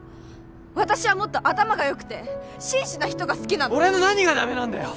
私はもっと頭がよくて真摯な人が好きなの俺の何がダメなんだよ！